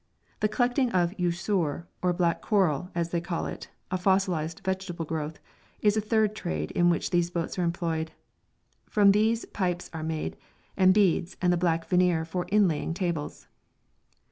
The collecting of yusur, or black coral, as they call it, a fossilised vegetable growth, is a third trade in which these boats are employed. From this pipes are made, and beads, and the black veneer for inlaying tables.